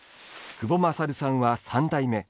久保勝さんは三代目。